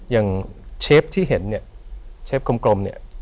เชฟที่เห็นเนี่ยเชฟกลมเนี่ย